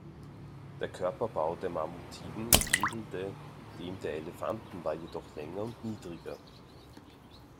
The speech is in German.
Der Körperbau der Mammutiden ähnelte dem der Elefanten, war jedoch länger und niedriger.